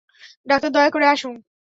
Doctor, দয়া করে আসুন।